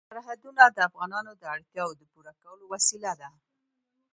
سرحدونه د افغانانو د اړتیاوو د پوره کولو وسیله ده.